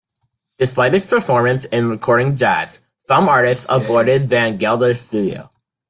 Despite his prominence in recording jazz, some artists avoided Van Gelder's studio.